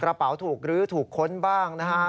กระเป๋าถูกรื้อถูกค้นบ้างนะฮะ